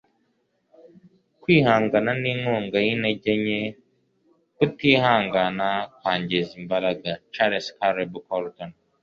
kwihangana ni inkunga y'intege nke; kutihangana kwangiza imbaraga. - charles caleb colton